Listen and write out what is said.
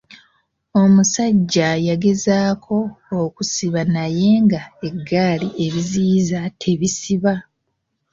Omusajja yagezaako okusiba naye nga eggaali ebiziyiza tebisiba.